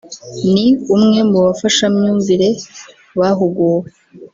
ni umwe mu bafashamyumvire bahuguwe